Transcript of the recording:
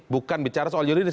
bukan bicara soal yuridis